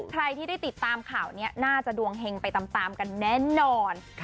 ใครที่ได้ติดตามข่าวนี้น่าจะดวงเฮงไปตามกันแน่นอน